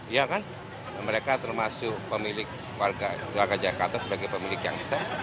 iya kan mereka termasuk pemilik warga jakarta sebagai pemilik yang besar